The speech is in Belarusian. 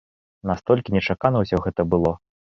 Настолькі нечакана ўсё гэта было.